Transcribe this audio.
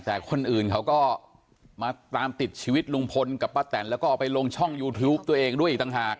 แต่คนอื่นเขาก็มาตามติดชีวิตลุงพลกับป้าแตนแล้วก็เอาไปลงช่องยูทูปตัวเองด้วยอีกต่างหาก